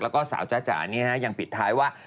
แล้วก็สาวจ้าจ๋ายังปิดท้ายว่า